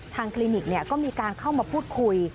คลินิกก็มีการเข้ามาพูดคุย